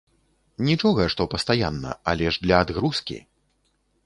Нічога, што пастаянна, але ж для адгрузкі!